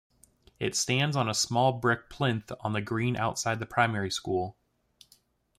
It stands on a small brick plinth on the green outside the primary school.